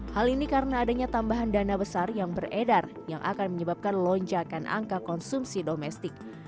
hal ini karena adanya tambahan dana besar yang beredar yang akan menyebabkan lonjakan angka konsumsi domestik